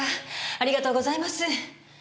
ありがとうございます。